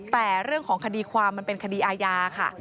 แต่เรื่องของคดีความมันเป็นคดีอาญาค่ะ